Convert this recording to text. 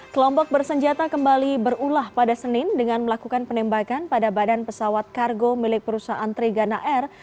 kelompok bersenjata kembali berulah pada senin dengan melakukan penembakan pada badan pesawat kargo milik perusahaan trigana air